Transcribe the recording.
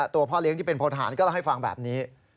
พ่อเลี้ยงที่เป็นพลทหารก็เล่าให้ฟังแบบนี้